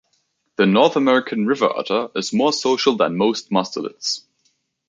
The North American river otter is more social than most mustelids.